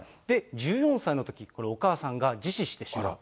１４歳のとき、お母さんが自死してしまう。